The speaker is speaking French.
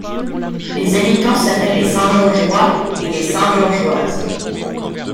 Les habitants s'appellent les Saint-Georgeois et les Saint-Georgeoises.